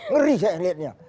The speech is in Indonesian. ngeri saya lihatnya